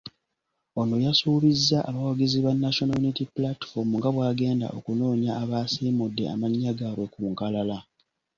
Ono yasuubizza abawagizi ba National Unity Platform nga bw'agenda okunoonya abaasiimudde amannya gaabwe ku nkalala.